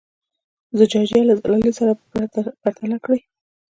زجاجیه له زلالیې سره پرتله کړئ.